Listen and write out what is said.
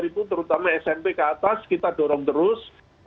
jadi pelajar itu terutama smp ke atas kita dorong terus